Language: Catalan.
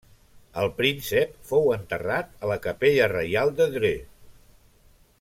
El príncep fou enterrat a la Capella Reial de Dreux.